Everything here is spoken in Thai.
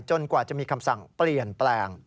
กว่าจะมีคำสั่งเปลี่ยนแปลง